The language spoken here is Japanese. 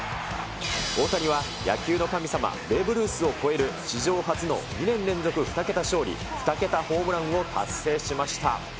大谷は野球の神様、ベーブ・ルースを超える史上初の２年連続２桁勝利、２桁ホームランを達成しました。